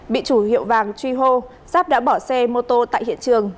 bị chủ hiệu vàng truy hô giáp đã bỏ xe mô tô tại hiện trường